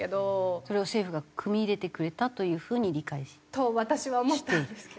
それを政府がくみ入れてくれたという風に理解？と私は思ったんですけど。